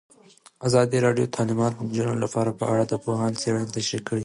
ازادي راډیو د تعلیمات د نجونو لپاره په اړه د پوهانو څېړنې تشریح کړې.